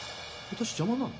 私邪魔なの？